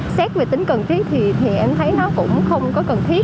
xét về tính cần thiết thì em thấy nó cũng không có cần thiết